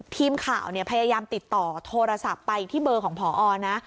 ทีมข่าวพยายามติดต่อโทรศัพท์ไปที่เบอร์ของพอนะ